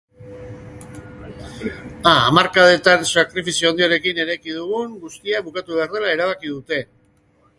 Hamarkadetan sakrifizio handiarekin eraiki dugun guztia bukatu behar dela erabaki dute.